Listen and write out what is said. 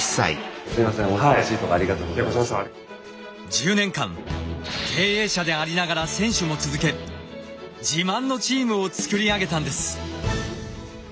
１０年間経営者でありながら選手も続け自慢のチームをつくり上げたんです。